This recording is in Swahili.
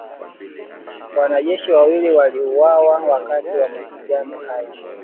Wanajeshi wawili waliuawa wakati wa mapigano hayo